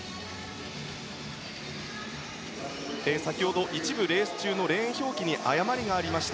先ほど一部レース中のレーン表記に誤りがありました。